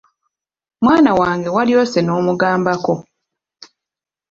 Mwana wange walyose n'omugambako!